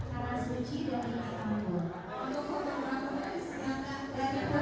jadi sekalian saya syukur di tanah suci dan di ambo